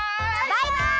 バイバイ！